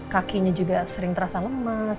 kakinya juga sering terasa lemas